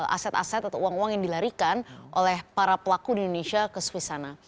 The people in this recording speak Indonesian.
aset aset atau uang uang yang dilarikan oleh para pelaku di indonesia ke swiss sana